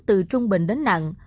từ trung bình đến nặng